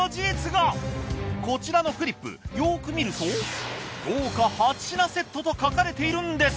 こちらのフリップよく見ると豪華８品セットと書かれているんです。